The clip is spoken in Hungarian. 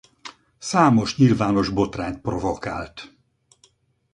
Számos nyilvános botrányt provokált.